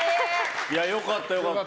良かった、良かった。